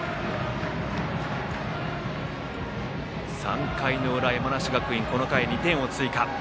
３回の裏、山梨学院この回、２点を追加。